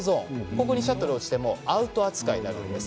ここにシャトルが落ちてもアウト扱いになるんです。